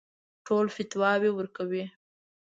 ټول فتواوې ورکوي.